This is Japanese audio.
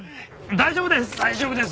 大丈夫です。